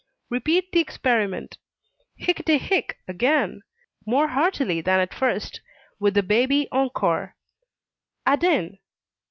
Repeat the experiment. "Hicketty hick!" again, more heartily than at first, with the baby encore, "Adin!"